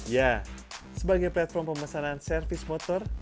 ya sebagai platform pemesanan servis motor